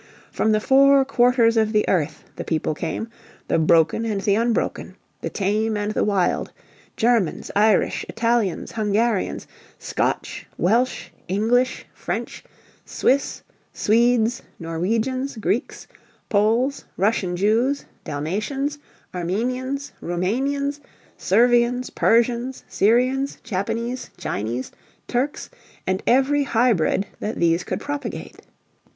From the four quarters of the earth the people came, the broken and the unbroken, the tame and the wild Germans, Irish, Italians, Hungarians, Scotch, Welsh, English, French, Swiss, Swedes, Norwegians, Greeks, Poles, Russian Jews, Dalmatians, Armenians, Rumanians, Servians, Persians, Syrians, Japanese, Chinese, Turks, and every hybrid that these could propagate.